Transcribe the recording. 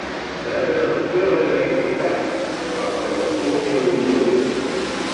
We hebben dat op velerlei wijze gedaan, waarvan ik wat voorbeelden noemen wil.